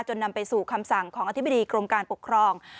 นำไปสู่คำสั่งของอธิบดีกรมการปกครอง